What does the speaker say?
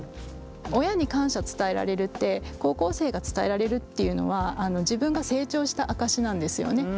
親に感謝を伝えられるって高校生が伝えられるっていうのは自分が成長した証しなんですよね。